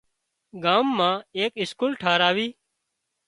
ڳام ايڪ اسڪول ٺاهراوي